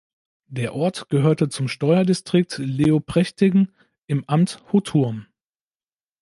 Der Ort gehörte zum Steuerdistrikt Leoprechting im Amt Hutthurm.